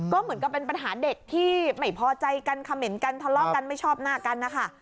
ก็เหมือนกับเป็นปัญหาเด็กที่ไม่พอใจกันเขม่นกันทะเลาะกันไม่ชอบหน้ากันนะคะ